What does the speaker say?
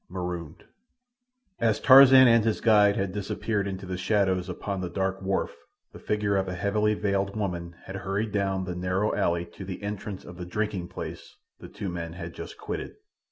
Marooned As Tarzan and his guide had disappeared into the shadows upon the dark wharf the figure of a heavily veiled woman had hurried down the narrow alley to the entrance of the drinking place the two men had just quitted.